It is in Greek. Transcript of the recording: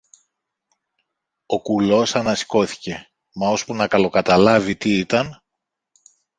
Ο κουλός ανασηκώθηκε, μα ώσπου να καλοκαταλάβει τι ήταν